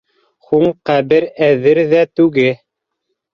Һуң, ҡәбер әҙер ҙә түге...